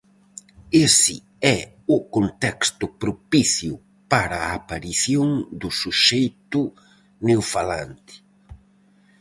Ese é o contexto propicio para a aparición do suxeito neofalante.